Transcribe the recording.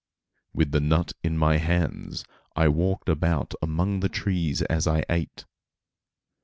With the nut in my hands I walked about among the trees as I ate.